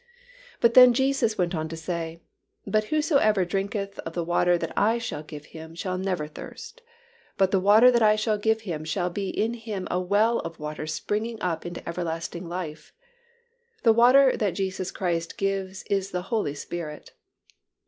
But then Jesus went on to say, "But whosoever drinketh of the water that I shall give him shall never thirst, but the water that I shall give him shall be in him a well of water springing up into everlasting life." The water that Jesus Christ gives is the Holy Spirit.